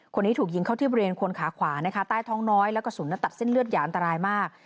คนนี้ถูกยิงเข้าที่บริเวณคนขาขวานะคะใต้ท้องน้อยและกระสุนตัดเส้นเลือดหยาอันตรายมาก